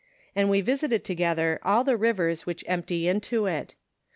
207 and we viflitod together all the rivers which empty into it.